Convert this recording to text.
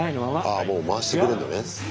ああもう回してくれんのね先生が。